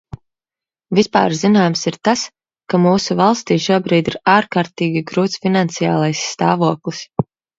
Vispārzināms ir tas, ka mūsu valstī šobrīd ir ārkārtīgi grūts finansiālais stāvoklis.